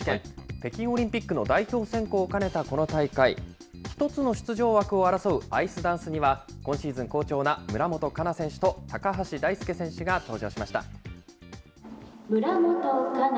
北京オリンピックの代表選考を兼ねたこの大会、１つの出場枠を争うアイスダンスには、今シーズン好調な村元哉中選手と高橋大輔選手が登場しました。